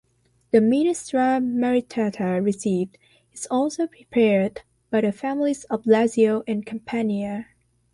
The "minestra maritata" recipe is also prepared by the families of Lazio and Campania.